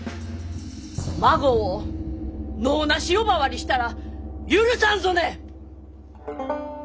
孫を「能なし」呼ばわりしたら許さんぞね！